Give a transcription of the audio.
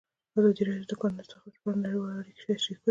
ازادي راډیو د د کانونو استخراج په اړه نړیوالې اړیکې تشریح کړي.